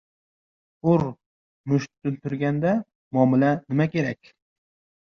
— Ur! Musht turganda muomala nima kerak!